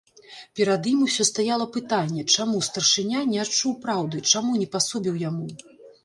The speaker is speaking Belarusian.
Перад ім усё стаяла пытанне, чаму старшыня не адчуў праўды, чаму не пасобіў яму.